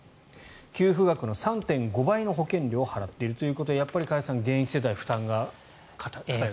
給付額の３．５倍の保険料を払っているということで加谷さん、現役世代に負担が偏っていると。